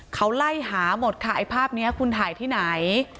เขาไล่หาหมดค่ะไอ้ภาพนี้คุณถ่ายที่ไหน